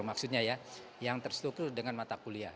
maksudnya ya yang terstruktur dengan mata kuliah